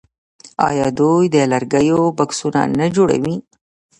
آیا دوی د لرګیو بکسونه نه جوړوي؟